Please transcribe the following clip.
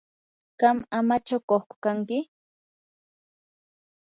¿qam amachakuqku kanki?